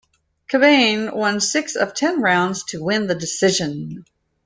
Kilbane won six of ten rounds to win the decision.